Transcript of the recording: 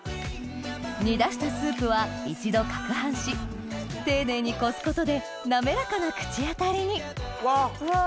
煮出したスープは一度攪拌し丁寧にこすことで滑らかな口当たりにうわ。